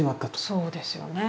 そうですよね。